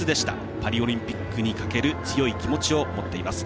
パリオリンピックにかける強い気持ちを持っています。